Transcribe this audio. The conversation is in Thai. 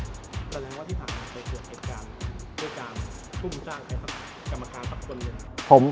แสดงว่าที่ผ่านมาเคยเกิดเหตุการณ์ด้วยการทุ่มจ้างให้กับกรรมการสักคนหนึ่ง